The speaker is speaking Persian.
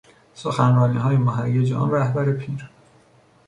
سخنرانی مهیج آن رهبر پیر